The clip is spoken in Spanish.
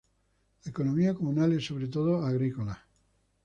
La economía comunal es sobre todo agrícola.